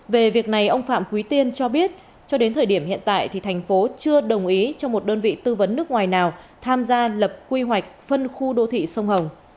về việc này ông phạm quý tiên cho biết cho đến thời điểm hiện tại thì thành phố chưa đồng ý cho một đơn vị tư vấn nước ngoài nào tham gia lập quy hoạch phân khu đô thị sông hồng